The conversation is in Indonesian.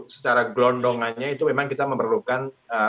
secara gelondongannya itu memang kita memerlukan